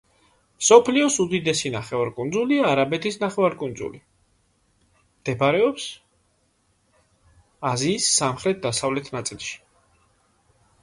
მსოფლიოს უდიდესი ნახევარკუნძულია არაბეთის ნახევარკუნძული, მდებარეობს აზიის სამხრეთ-დასავლეთ ნაწილში.